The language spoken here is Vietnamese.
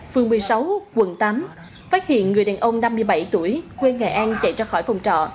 phương một mươi sáu quận tám phát hiện người đàn ông năm mươi bảy tuổi quê nghệ an chạy ra khỏi phòng trọ